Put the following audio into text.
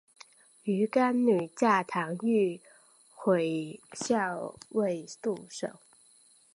鱼干女嫁唐御侮校尉杜守。